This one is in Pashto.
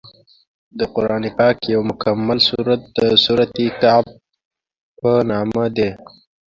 د قران پاک یو مکمل سورت د سورت الکهف په نامه دی.